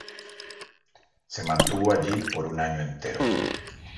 Se mantuvo allí por un año entero.